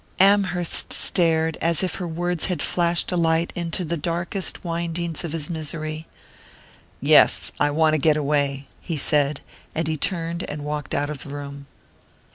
Amherst stared as if her words had flashed a light into the darkest windings of his misery. "Yes I want to get away..." he said; and he turned and walked out of the room.